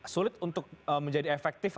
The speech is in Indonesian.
sulit untuk menjadi efektif